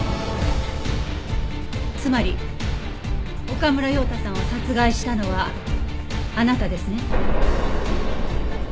つまり岡村陽太さんを殺害したのはあなたですね？